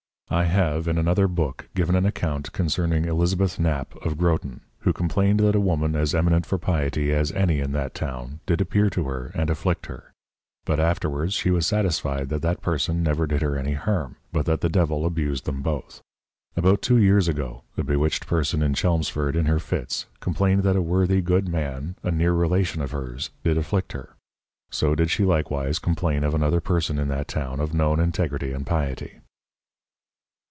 _ I have in another Book given an account concerning Elizabeth Knap of Groton, who complained that a Woman as eminent for Piety as any in that Town, did appear to her, and afflict her: But afterwards she was satisfied that that Person never did her any harm, but that the Devil abused them both. About two Years ago, a bewitched Person in Chelmsford in her Fits, complained that a worthy good Man, a near Relation of hers did afflict her: So did she likewise complain of another Person in that town of known integrity and Piety.